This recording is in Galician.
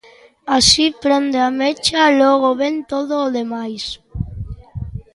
Así prende a mecha, logo vén todo o demais.